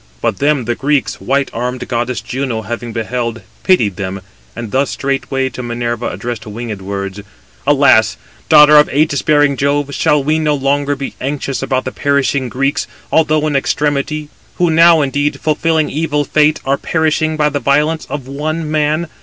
But them [the Greeks] white armed goddess Juno having beheld, pitied them, and thus straightway to Minerva addressed winged words: "Alas! daughter of ægis bearing Jove, shall we no longer be anxious about the perishing Greeks, although in extremity;—who now, indeed, fulfilling evil fate, are perishing by the violence of one man?